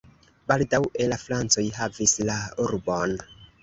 Baldaŭe la francoj havis la urbon.